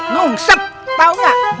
nungsek tau gak